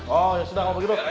oh ya sudah kalau begitu